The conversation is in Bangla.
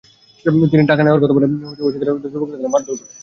তিনি টাকা নেওয়ার কথা অস্বীকার করলে ক্ষুব্ধ যুবকেরা তাঁকে মারধর করে।